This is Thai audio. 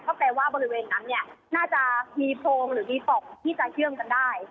ก็แปลว่าบริเวณนั้นเนี่ยน่าจะมีโพรงหรือมีปล่องที่จะเชื่อมกันได้